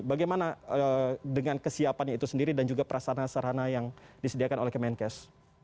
bagaimana dengan kesiapannya itu sendiri dan juga prasarana sarana yang disediakan oleh kemenkes